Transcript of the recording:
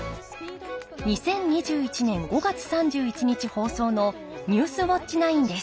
２０２１年５月３１日放送の「ニュースウオッチ９」です。